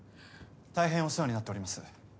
たいへんお世話になっております。